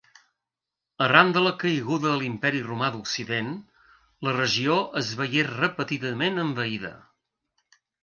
Arran de la caiguda de l'Imperi romà d'Occident, la regió es veié repetidament envaïda.